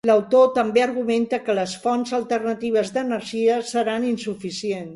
L'autor també argumenta que les fonts alternatives d'energia seran insuficients.